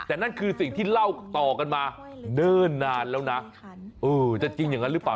แต่นั่นคือสิ่งที่เล่าต่อกันมาเนิ่นนานแล้วนะเออจะจริงอย่างนั้นหรือเปล่า